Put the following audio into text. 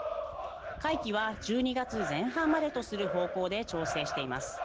会期は１２月前半までとする方向で調整しています。